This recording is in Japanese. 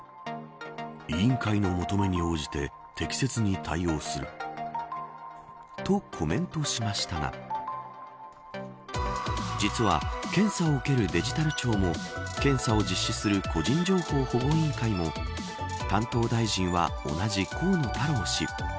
委員会の求めに応じて適切に対応するとコメントしましたが実は検査を受けるデジタル庁も検査を実施する個人情報保護委員会も担当大臣は同じ河野太郎氏。